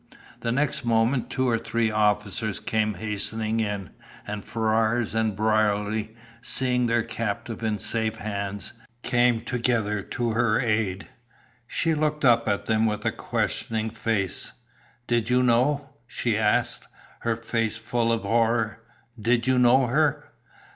The next moment two or three officers came hastening in, and Ferrars and Brierly, seeing their captive in safe hands, came together to her aid. She looked up at them with a questioning face. "Did you know?" she asked, her face full of horror. "Did you know her?"